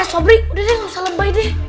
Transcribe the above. eh sobri udah deh gak usah lebay deh